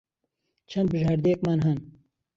چەند بژاردەیەکمان ھەن.